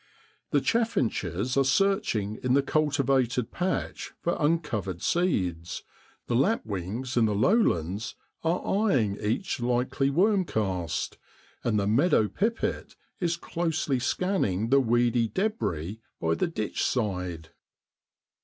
The chaffinches are searching in the cultivated patch for uncovered seeds, the lapwings in the low lands are eyeing each likely wormcast, and the meadow pipit is closely scanning the weedy debris by the ditch side.